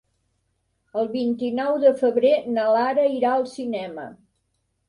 El vint-i-nou de febrer na Lara irà al cinema.